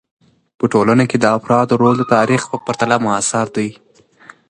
په ټولنه کې د افرادو رول د تاریخ په پرتله معاصر دی.